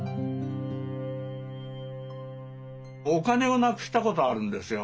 お金をなくしたことあるんですよ。